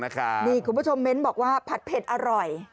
นี่คุณผู้ชมเม้นต์บอกว่าผัดเผ็ดอร่อย